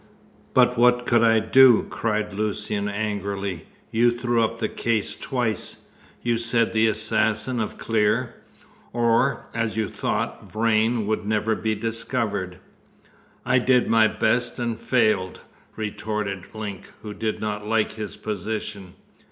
"But what could I do?" cried Lucian angrily. "You threw up the case twice! You said the assassin of Clear or, as you thought, Vrain would never be discovered!" "I did my best, and failed," retorted Link, who did not like his position.